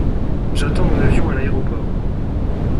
J'attends mon avion à l'aéroport.